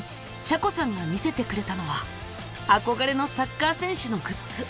ちゃこさんが見せてくれたのはあこがれのサッカー選手のグッズ。